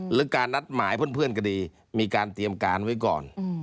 หรือการนัดหมายเพื่อนก็ดีมีการเตรียมการไว้ก่อน